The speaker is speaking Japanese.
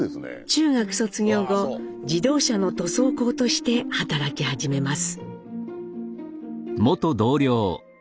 中学卒業後自動車の塗装工として働き始めます。